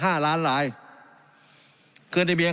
การปรับปรุงทางพื้นฐานสนามบิน